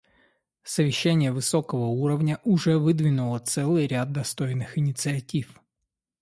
Совещание высокого уровня уже выдвинуло целый ряд достойных инициатив.